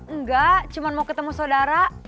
enggak cuma mau ketemu saudara